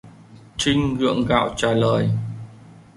Tring gượng gạo trả lời